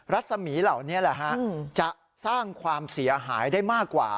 รัศมีเหล่านี้แหละฮะจะสร้างความเสียหายได้มากกว่า